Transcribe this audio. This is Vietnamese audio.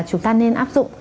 chúng ta nên áp dụng